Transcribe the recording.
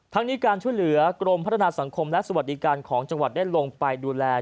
ทั้งนี้การช่วยเหลือกรมพัฒนาสังคมและสวัสดิการของจังหวัดได้ลงไปดูแล